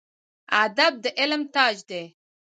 ادب د علم تاج دی